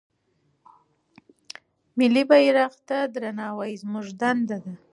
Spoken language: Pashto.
ملي بيرغ ته درناوی زموږ دنده ده.